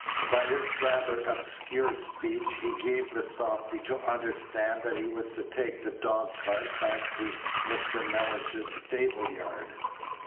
By which rather obscure speech he gave the softy to understand that he was to take the dog cart back to Mr. Mellish's stable yard.